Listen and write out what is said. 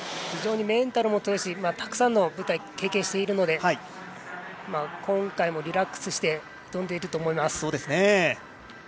非常にメンタルも強いしたくさん舞台を経験しているので今回もリラックスして挑んでいると思います。